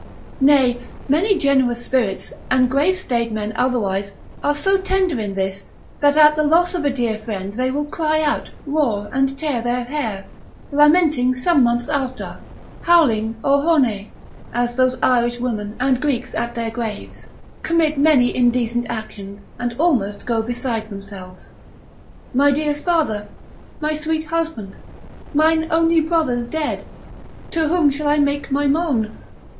Nay many generous spirits, and grave staid men otherwise, are so tender in this, that at the loss of a dear friend they will cry out, roar, and tear their hair, lamenting some months after, howling O Hone, as those Irish women and Greeks at their graves, commit many indecent actions, and almost go beside themselves. My dear father, my sweet husband, mine only brother's dead, to whom shall I make my moan?